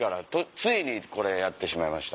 ついにこれやってしまいました。